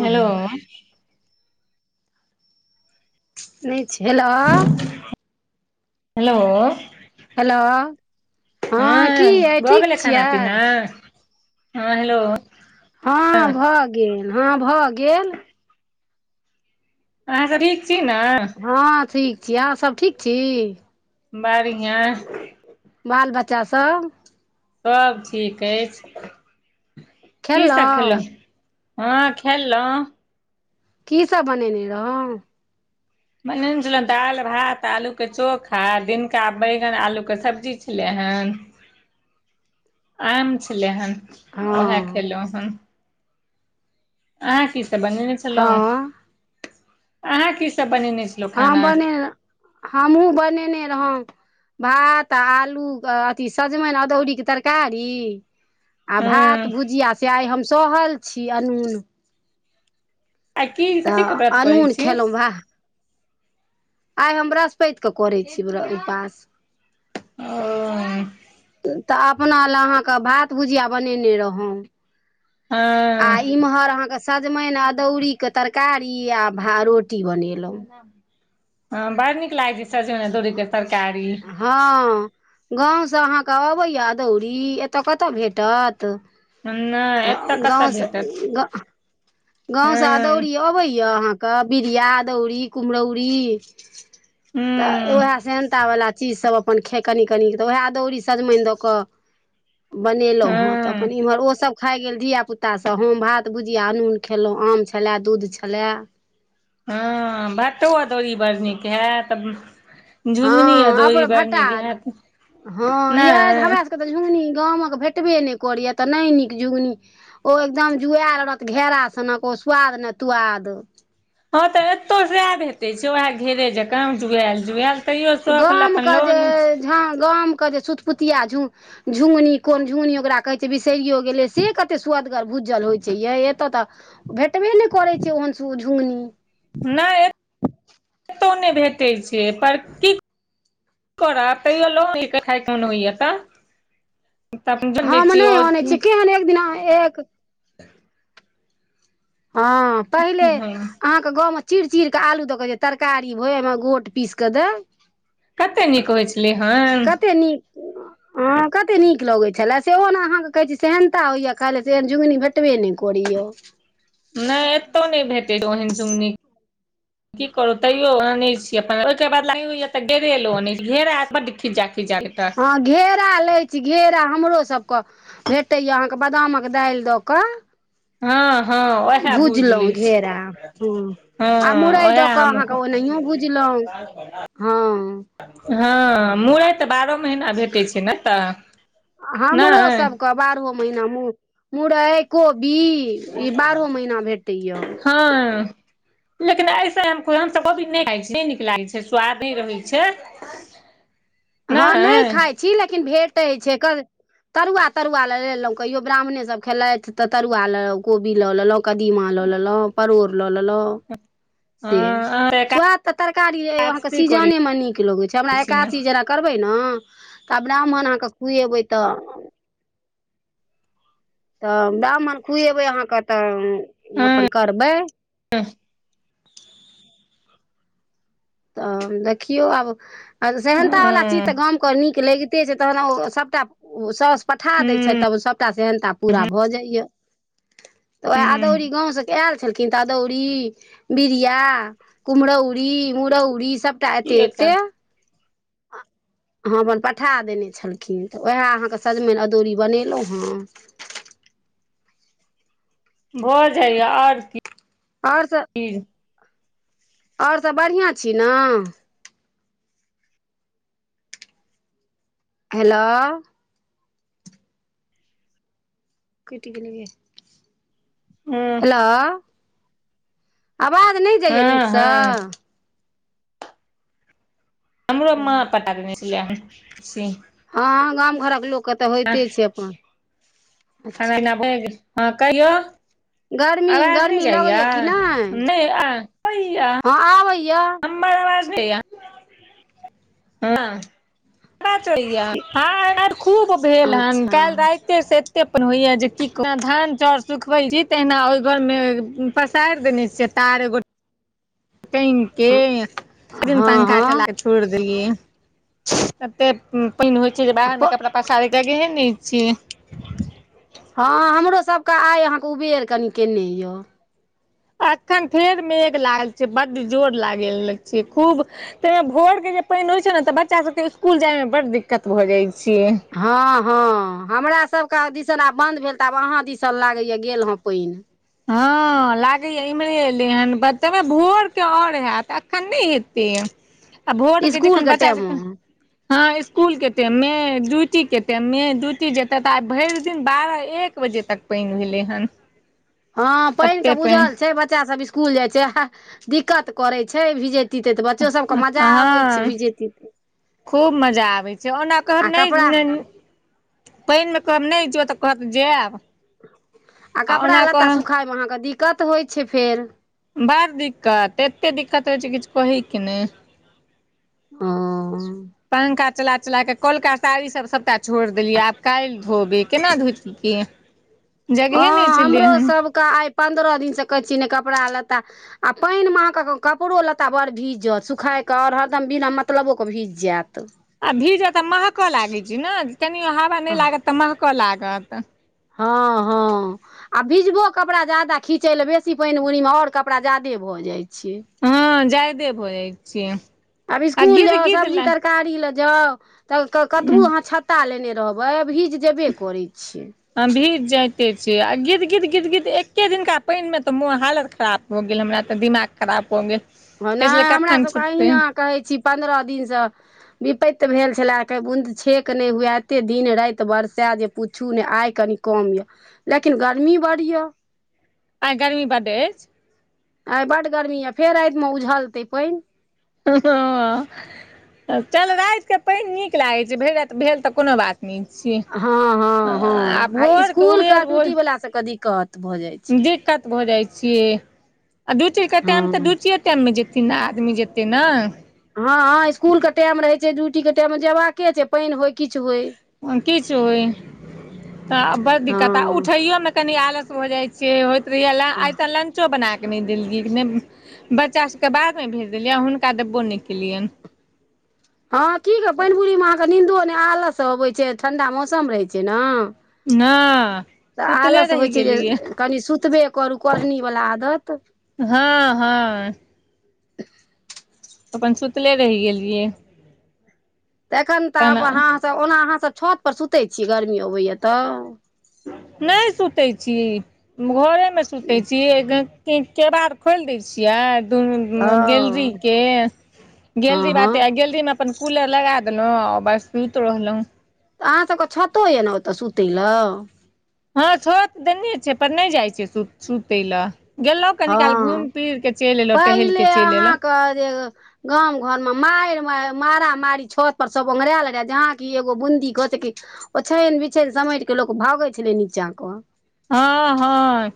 Hello नहि छै hello hello hello की हँ अइ भऽ ठीक गेलै खाना छियै पीना हँ हेलो हँ भऽ गेल हँ भऽ गेल अहाँ सब नीक छी ने हँ ठीक छी अहाँ सब ठीक छी बढ़िआँ बाल बच्चा सब सभ ठीक अछि कीसभ खेलो खेलौं हँ खेलौ की सब बनेने रहौ बनेने छलहुँ दालि भात आलू के चोखा दिनका बैगन आलू के सब्जी छलै हन [unintelligible] आम छलै हेन उएह हँ खेलहुँ हेन अहाँ की सब बनेने छलहुं हँ अहाँ की सब बनेने छलहुँ खाना हम बने हमहहुँ बनेने रहौं भात आलू अथी सजमनि अदौरीक के तरकारी आ भात हँ भुजिया से आइ हम सहल छी अनून आ की कथीके तऽ व्रत करै अनून छी खेलहुँ है आइ हम ब्रश पइत के करै छी उपास ओ तऽ अपना लए अहाँके भात भुजिया बनेने रहौं हँ आ इम्हर अहाँके सजमनि अदौरीक के तरकारी आ भा रोटी बनेलहुँ हँ बड़ नीक लागै छै सजमइन अदौरी के तरकारी हँ गाँव सँ अहाँके अबैयै अदौरी एतय कतय भेटत नहि एतऽ कतऽ गांव सा भेटत आहा के हँ अदौरी आबाय या आहा बिरिया अदौरी कुम्हरौरी तऽ वएह हूँ सेहेन चीज सब अपन खे कनी कनि तऽ ओएह अदौरी सजमनि दऽ कऽ बनेलहुँ हेँ तऽ हँ अपन इम्हर ओसभ खाइ गेल धियापुतासभ हम भात भुजिया अनून खेलहुँ आम छलय दूध छलय हँ भाटो अदौरी बड़ नीक हए तऽ झुमनी हँ आदोरी अपन बड़ भट्टा निक हैत हँ यै तऽ नहि हमरा सभके तऽ झुमनी गामक भेटबे नहि करैया तऽ नहि नीक झुमनी ओ एकदम जुआल रहत घेरा सनक ओ सु्वाद ने तुआद हँं तऽ एतौ सएह भेटै छै उएह घेरे जका जुआएल जुआएल तहियओ शौख लए अपन लो लइ छी हँ गाम क जे सुुतपुतिया झू झु्गनी कोन झुमनी ओकरा कहै छै बिसरिओ गेलै से कतेक सुआदगर भुजल होइत छै यै एतय तऽ भेटबे नहि करै छै ओहनसँ ओ झुमनी नहि एतहु नहि भेटैत छै पर की कर तै खायकेन होइय तऽ तऽ अपन जन हम नहि बेचियौ आनै छियै केहन एक दिना एक [inaudible] हँ पहिले हँ अहाँ गाँव मे चिर चिर के आलू दऽ के तरकारी होय ओहिमे गोट पीस के देय कते नीक होइ छै छलै हन कते नीक ह कते नीक लगैत छलए सेहो ने अहाँके कहै छी सेहनता होइया खाय लए सेहन झुंगनी भेटबे नहि करै यऽ [inaudible] नहि एतौ नहि भेटै ओहन झुंगनी की करू तैयो अने छी अपन ओहिके बादला ई होइयै तऽ घेउरा आर बड खीजा खीजा हँ घेरा लै छी घेरा हमरोसभके भेटैया अहाँके बादामक दालि दऽ कऽ हँ हँ उएह भूझि लै भुजलहुँ घेरा हँ छी हँ आ मुरइ उएह दऽ कऽ हमहू अहाँके ओनाहियो भुजलहुँ हँ हँ मुरय तऽ बारहो महीना भेटैत छै ने तऽ हमरो नहि सबके बारहो महीना मुरय कोबी ई बारहो महीना भेटै या हँ लेकिन ऐस हमसभ अभी नहि खाइ छी नहि नीक लागै छै स्वाद नहि रहै छै हँ नहि खाइ छी लेकिन भेटै छै तरुआ तरुआ लऽ लेलहुँ कहियो ब्राह्मण सब खेलथि तऽ तरुआ ल कोबी लऽ लेलौं कदीमा लऽ लेलौं परोर लऽ लेलौं से अहाँ तऽ स्वाद तऽ तरकारी काज आहाँके करै सीजनेमे नीक लगै छै हमरा छी ने एकादसी जेना करबै ने तऽ ब्राह्मण आहाँके खुएबै तऽ तऽ ब्राह्मण खुएबै अहाँके तऽ हँ अपन करबै [unintelligible] तऽ देखियौ आब सहनता वला हँ चीज तऽ गामके नीक लगि ते छै तहन ओ सभटा ओ सास पठा दै हूँ छै तब सभटा सेहनता पूरा भऽ जाइयै तऽ उएह हूँ अदौरी गाँव सभके आयल छलखिन तऽ अदौरी बिड़िया कुमहरौरी मुरौरी सबटा एते की एते कर [unintelligible] हँ अपन पठा देने छलखिन तऽ उएह अहाँके सजमन अदौरी बनेलौं हन भऽ जाइयै ओर की आओर सब खिर आओर सब बढ़िया छी ने हेलो कटि गेलै गे हँ हेलो आवाज नहि जाइयै हँ नीकसँ हँ हमरो मा पटकने छल [unintelligible] हँ गाम घरक लोकके तऽ होइते छै अपन अच्छा [unintelligible] हँ कहियौ गर्मी आवाज नहि जाइय नहि गर्मी लगैया कि जाइया नहि आबैयै हँ आबै यऽ हमर आवाज जाययै [unintelligible] भेल हन अच्छा काल्हि राति एते से एते अपन होइ यै जे की धान चाउर सुखबे छी तहिना ओहि घर मे पसारि देने छियै तार एगो टाइंग हँ के हँ पंखा हँ चलाके छै छोड़ि देलै कते पान होइ छै जे बाहर मे कपड़ा पसारे जगहे नै छे हँ, हमरो सभकेँ आइ अहाँकेँ उबेर कनि केने यए। अखन फेर मेघ लागल छै, बड़ जोर लागल छै खूब। ताहिमे भोरके जे पानि होइ छै ने तऽ बच्चा सभकेँ स्कूल जायमे बड़ दिक्कत भऽ जाइ छै। हँ हँ, हमरा सभके दिस आब बन्द भेल तऽ आब अहाँ दिस लागैए गेल हँ पानि। हँ, लागैए इम्हरे एलै हन, बतबै भोरके आओर हैत, एखन नहि हेतै। [inaudible] आ भोर के जखन इसकुलके बच्चा। टाइममे हँ स्कूलके टाइममे, ड्यूटीके टाइममे ड्यूटी जेतै तऽ आइ भरि दिन बारह एक बजे तक। पाइन भेलै हन हँ पाइन के एते बुझल पानि छै, बच्चा सभ स्कूल जाय छै, दिक्कत करै छै, भीजै। पते तऽ बच्चो सभके मजा अबै छै हँ भीजे पते खूब मजा आबैत छै। ओना कहब आ कपड़ा नहि पाइनमे कम नहि छै। तऽ कहत जायब। आ कपड़ा ओना लत्ता कहब सुखाबैमे अहाँके दिक्कत होइत छै फेर। बड़ दिक्कत, एते दिक्कत होइ छै, किछु कहैके नहि। ओ पंखा के चला चला कऽ कौलका साड़ीसभ सभटा छोड़ि देलियै, आब काल्हि धोबै केना धोतिय। हँ, हमरो सभकेँ आइ पन्द्रह दिनसँ कहै छियै ने, कपड़ा लत्ता। आ पानिमे अहाँके कपड़ो लत्ता बड़ भीज जाइत, सुखाबै कऽ आओर हरदम बिना मतलबोके भीज जाइत। आ भीजतऽ महकऽ लागैत छै ने, कनि हवा नहि लागत तऽ महकऽ लागत। हँ हँ आ भीजतऽ कपड़ा ज्यादा खींचय लेल बेसी पानि ओहिमे आओर कपड़ा ज्यादे भऽ जाइत छै। हँ जाय देबे अब स्कूल जाउ सब्जी तर तरकारी लऽ जाउ तऽ कतबो ल अहाँ छत्ता लेने रहबै, भीज जेबे करै छियै। हँ, भीज जाइते छी आ गींज गींज गींज, एके दिनका पानिमे तऽ मोन खराब। हो गेल, हमरा तऽ दिमाग खराब हो गेल। ओ कहै नहि, छलै हमरा कखन सभकेँ छुटतै अहिना कहै छी पन्द्रह दिनसँ। विपत्ति भेल छलै, बूँद छेक नहि हुए, एतेक दिन राति बरसै जे पुछू ने आइ कनि। कम यऽ लेकिन गर्मी बड़ यऽ। आई गर्मी बड अछि। आ बड गर्मी यए फेर रातिमे ऊझलतै पाइन हँ, रातिके पाइन नीक लागै छै, भरि राति भेल तऽ कोनो बात नहि। [unintelligible] हँ मिच हँ आ भरके उबे [unintelligible] से क दिक्कत भऽ जाय छै। दिक्कत भऽ जाइ छियै आ ड्यूटीके टाइम तऽ द हँ च। टाइममे जेतन ने, आदमी जेतै ने। हँ हँ, स्कूलके टाइम रहै छै, ड्यूटीके टाइममे जेबाकै छै, पानि होय किछु होय। किछुइ तऽ बड़ दिक्कत आ हँ उठैयोमे कनि आलस भऽ जाइ छै। से होइत तऽ एल आतल किछु बनाकऽ नहि देलियै, नहि बच्चा सभकेँ बादमे भेज देलियैनि, हुनका डब्बो नहि केलियैनि। हँ, की कहू, पानिपुररीमे अहाँके निन्दो नहि, आलससँ अबैत छै, ठंडा मौसम रहै छै ने। हँ तऽ सुतले आलस रहि होइ छै जे गेलियै कनि सुतबे करू करढ़नीवला आदत। हँ हँ सुतले रहि गेलियै तऽ एखन तऽ आब तहन अहाँसभ ओना अहाँसभ छतपर सुतै छीयै, गर्मी अबैए तऽ। नहि, सुतै छी घरेमे सुतै छी। केबाड़ खोलि दै छियै। हँ गैलरीके हँ गैलरी हँ बटे गैलरीमे अपन। कूलर लगा देलहुं आ बस सुत रहलहुं तऽ अहाँसभके छतो यए ने ओतऽ सुतय ल हँ छत देने छै पर नहि जाइ छैसुत सुतै ल गेलो कनी हँ काल घुमि फिर के चैइल एलो टहल पहिले के चैइल एलो [unintelligible] गाम घर में माइर माइ मारा मारी छत पर सब ओंघराल रहे जहा की एगो बूंदी खसै की ओछैन बिछैन समेट क लोक भागै छलै नीचा के हँ हँ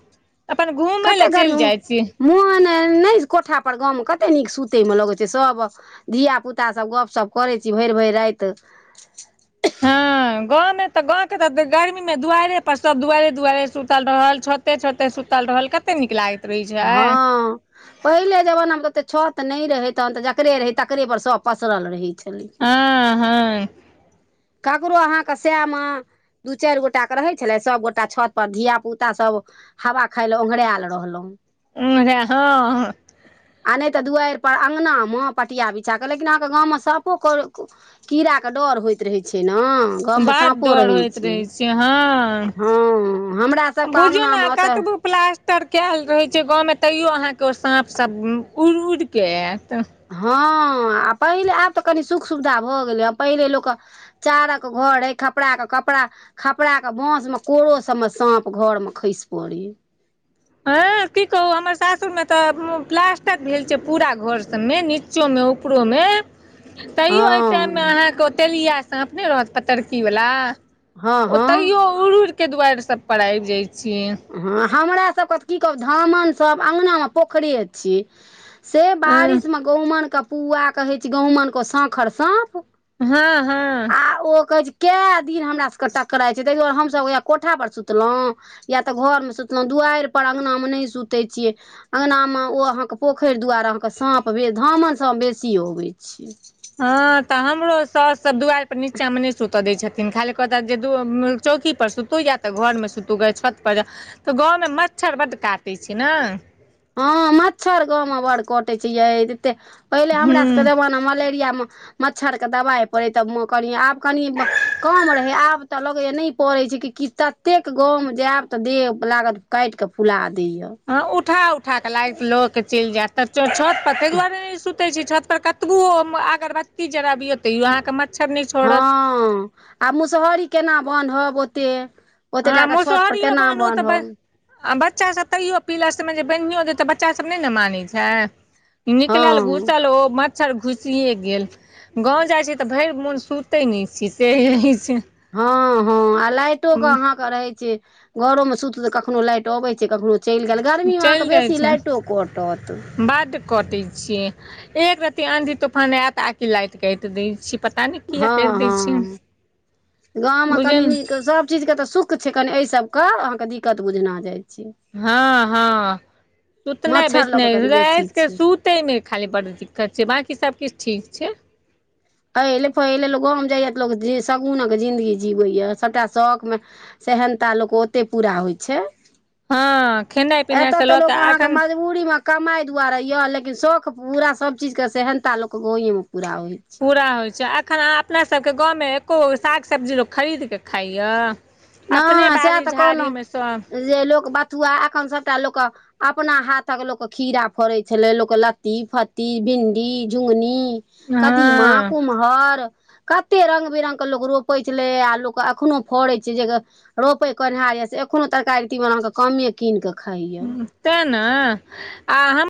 अपन घूमय कते लए चैल गर्मी जाइ छी मोन नहि कोठापर गाममे कते नीक सुतैमे लगै छै सब धियापुता सब गपशप करै छी भैर भैर राइत [inaudible] गाँंमे तऽ गाँव के त गर्मी मे दुआइरे पर सब दुआइरे दुआइरि सुतल रहल छथि छते छते सुतल रहल कत कते नीक लागैत रहै छै हँ पहिले जमानामे तऽ तऽ छ तऽ नहि रहै तहन तऽ जकरे रहै तकरेपर सब पसरल रहै छलै हँ हँ ककरो अहाँके शएमे दू चारि गोट के रहै छलै सभगोटा छत पर धिय पुता सब हवा खाय ल ओघरायल रहलहुँ उंधरै हँ आ नहि तऽ दुवाइरपर अङ्गनामे पटिया बिछा कऽ लेकिन अहाँके गाँवमे साँपो कर कीड़ाके डर होइत रहै छै ने गाँवमे बड साँपो डर रहै होइत छै हँ हँ हमरा सबके बुझियौ ने अङगनामे ओतऽ कतबो प्लास्टर कयल रहै छै गाँवमे तैयो अहाँके ओ साँप सब उड़ि उड़िके आएत हँ आ पहिले आब तऽ कनि सुख सुविधा भऽ गेलैए पहिले लोकके चारक घर हइ कपड़ा के कपड़ा खपराके बाँसमे कोरो सबमें साँप घरमे खैस पड़ै ह की कहू हमर सासुर मे तऽ प्लास्टिक भेल छै पूरा घर सब मे नि निचोमे उपरोमे तैयो एहि टाइममे हँ अहाँके ओतेलिया साँपने रहत पतरकी वला हँ ओ हँ तैयो उड़ि उड़ि के दुआार सब पर आइब जाइत छै हँ हमर सबके तऽ की कहब धामनसभ अङ्गना पोखरिे छै से हँ बारिश मे गहुमनके पुआ कहै छै गहुमन को साँखर साँप हँ हँ आ ओ कहै छै कए दिन हमरा सबके टकराइ छै ताहि दुआरे हमसब ओहा कोठा पर सुतलहुँ या तऽ घरमे सुतलहुँ दुआइर पर अङ्गना मे नहि सुतै छियै अङ्गनामे ओ अहाँके पोखैर दुवारे अहाँके साँप बे धामन साप बेसी अबै छै हँ तऽ हमरो साउस सब दुवार पर नीचा मे नहि सुतऽ दै छथिन लेकन खाली कहत जे चौकीपर सुतू या तऽ घरमे सुतू ग छतपर तऽ गाँवमे मच्छर बड्ड काटै छै ने हँ मच्छर गाँवमे बड़ कटै छै यै ते पहिले हमरा सबके हूँ जमाना मलेरियामे मच्छरके दबाइ पड़ै तब म कनि आब कनि कम रहै आब तऽ लगै एना पड़ै छै कि कि ततेक गाँवमे जायब तऽ देह लागत काइटक फुला दैए अ उठा उठा के लागय लो के चैल जायत तौ छत पर तै दुवारे ने सूत छत पर कतबुवो अगरबत्ती जराबिय तैयो अहाँके मछ हँ आ मुसहरी केना बानहब ओते ओते हँ टा के छत पर मुसहरीयो केना बनु तऽ बस बान्हब आ बच्चा सब तैयो पीलसमे जे बान्हियो दे तऽ बच्चा सब नहि ने मानै छै निकलल हँ घुसल ओ मत मच्छर घुसिये गेल गाँव जाइ छी तऽ भैर मोन सुतै नहि छी सेहे छै हँ हँ आ लाइटोे के अहाँके रहै छै घरोमे सुतू तऽ कखनो लाइट अबै छै कखनो चैल गेल गर्मीमे अहाँके बेसी लाइटो कटत बड कटै छै एक रर्ती आंधी तूफान आयत आकी लाइट कैट दै छै पता नै हँ हँ गाममे कनी बुझन नीक सब चीज के तऽ सुख छै कनि एहि सब के अहाँके दिक्कत बुझना जाइ छै ह ह सुतनाय मच्छर लऽ कऽ बैसनाय कनि बेसी राईत के छै सुत तै में खाली बड़ दिक्कत छै बाँकी सबकिछ ठीक छै ह एले फले लोक गाँव जाइया तऽ ल शगुनक के जिन्दगी जीवै या सभटा शौकमे सेहनता लोक के ओतय पूरा होइ छै हँ खेनाइ पिनाइ एतऽ से तऽ लऽ लोक कऽ अहाँके एखन मज पूरी में कमाय दुआरे यऽ लेकिन शौक पूरा सब चीज के सेहनता लोक गावे में पूरा होय पूरा होइ छै अखनाँ अपना सबके गाँवमे एको गो साग सब्जी लोक खरीदके खाइयै अपने नहि सएह बाड़ी तऽ कहलहुँ झाड़ीमे सँ जे लोक बथुआ एखन सभटा लोक अपना हाथक लोकके खीरा फड़ै छलै लोक लत्ती फत्ती भिणडी झुङ्गनी कदीमा हँ कुम्हर कते रंग बिरंग के लोक रोपे छले आ लोक अखनो फड़ै जगह रोपै कोन्हहार यऽ से एखनो तरकारी तीमन अहाँ कमे कीन कऽ खाययै तें ने आ हम